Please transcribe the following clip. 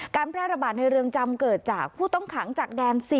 แพร่ระบาดในเรือนจำเกิดจากผู้ต้องขังจากแดน๔